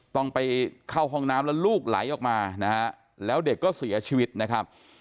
ต้องไปเข้าห้องน้ำแล้วลูกไหลออกมานะฮะแล้วเด็กก็เสียชีวิตนะครับ